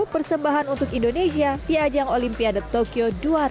persembahan untuk indonesia di ajang olimpiade tokyo dua ribu dua puluh